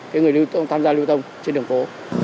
cái người tham gia lưu thông trên đường phố